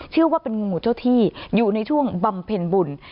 ชื่อว่าเป็นงูเจ้าที่อยู่ในช่วงบำเพ็ญบุญ